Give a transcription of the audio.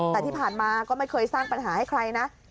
แต่ที่ผ่านมาก็ไม่เคยสร้างปัญหาให้ใครนะ